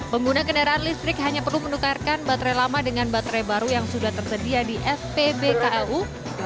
pengguna kendaraan listrik hanya perlu menukarkan baterai lama dengan baterai baru yang sudah tersedia di spbklu dengan waktu kurang dari sepuluh menit